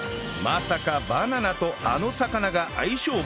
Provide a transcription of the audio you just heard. まさかバナナとあの魚が相性抜群！？